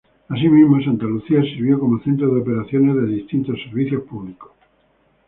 Asimismo, Santa Lucía sirvió como centro de operaciones de distintos servicios públicos.